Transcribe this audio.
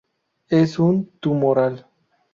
Es un tumoral.